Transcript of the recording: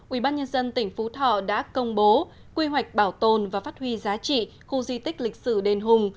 ubnd tỉnh phú thọ đã công bố quy hoạch bảo tồn và phát huy giá trị khu di tích lịch sử đền hùng